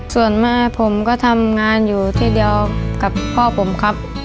ส่วนแม่ผมก็ทำงานอยู่ที่เดียวกับพ่อผมครับ